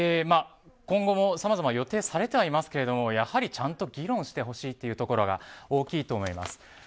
今後もさまざま予定されてはいますけれどもちゃんと議論してほしいというところが大きいと思います。